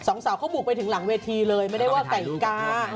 สองสาวเขาบุกไปถึงหลังเวทีเลยไม่ได้ว่าแต่งกา